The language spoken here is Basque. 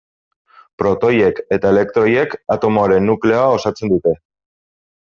Protoiek eta elektroiek atomoaren nukleoa osatzen dute.